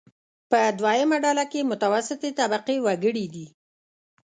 په دویمه ډله کې متوسطې طبقې وګړي دي.